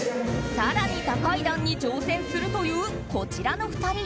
更に高い段に挑戦するというこちらの２人。